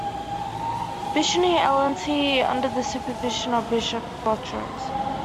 Bishoy Elantony under the supervision of Bishop Botros.